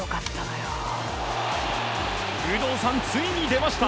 有働さん、ついに出ました！